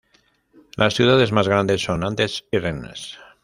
Las ciudades más grandes son Nantes y Rennes.